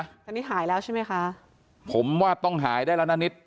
อันนี้หายแล้วใช่ไหมคะผมว่าต้องหายได้แล้วนะนิด